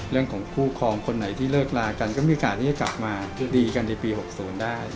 เรื่องของคู่ครองคนไหนที่เลิกลากันก็มีโอกาสที่จะกลับมาดีกันในปี๖๐ได้